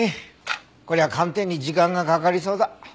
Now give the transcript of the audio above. こりゃ鑑定に時間がかかりそうだ。